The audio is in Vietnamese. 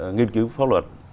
nghiên cứu pháp luật